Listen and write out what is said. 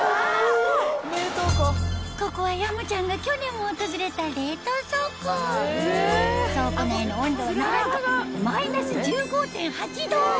ここは山ちゃんが去年も訪れた倉庫内の温度はなんとマイナス１５．８℃